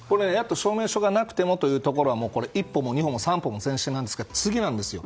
証明書がなくてもというのは一歩も二歩も三歩も前進なんですが、次なんですよ。